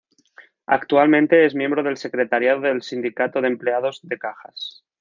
Actualmente es miembro del secretariado del Sindicato de Empleados de Cajas.